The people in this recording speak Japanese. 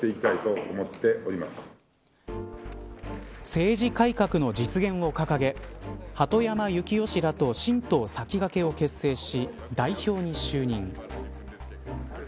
政治改革の実現を掲げ鳩山由紀夫氏らと新党さきがけを結成し代表に就任。